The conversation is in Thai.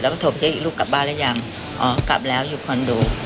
เราก็โทรไปเที่ยวอีกลูกกลับบ้านแล้วยังอ๋อกลับแล้วอยู่คอนดู